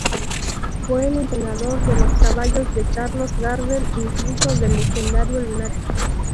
Fue el entrenador de los caballos de Carlos Gardel, incluso del legendario Lunático.